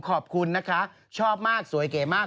ขอบคุณนะคะชอบมากสวยเก๋มาก